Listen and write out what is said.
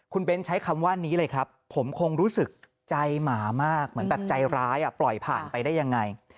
คุณเบ้นใช้คำว่านี้เลยครับผมคงรู้สึกใจหมามากเหมือนแบบใจร้ายปล่อยผ่านไปได้ยังไง